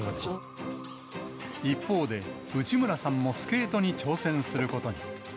一方で、内村さんもスケートに挑戦することに。